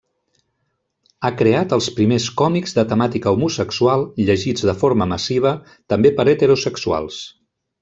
Ha creat els primers còmics de temàtica homosexual llegits de forma massiva també per heterosexuals.